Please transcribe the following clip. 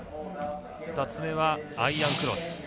２つ目はアイアンクロス。